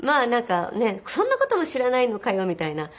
「そんな事も知らないのかよ」みたいな。